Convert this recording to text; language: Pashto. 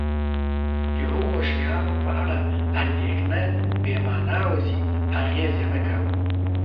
د هغو شیانو په اړه اندېښنه بې مانا وه چې اغېز یې نه کاوه.